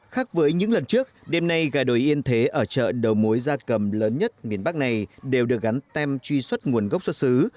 khác với những lần trước đêm nay gà đồi yên thế ở chợ đầu mối gia cầm lớn nhất miền bắc này đều được gắn tem truy xuất nguồn gốc xuất xứ